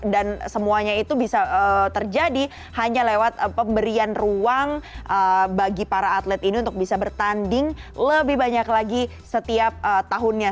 dan semuanya itu bisa terjadi hanya lewat pemberian ruang bagi para atlet ini untuk bisa bertanding lebih banyak lagi setiap tahunnya